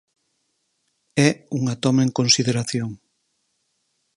É unha toma en consideración.